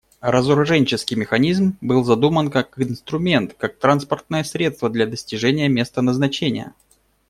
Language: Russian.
Разоруженческий механизм был задуман как инструмент, как транспортное средство для достижения места назначения.